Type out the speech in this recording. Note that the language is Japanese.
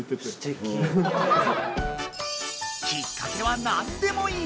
きっかけは何でもいい！